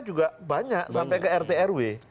juga banyak sampai ke rt rw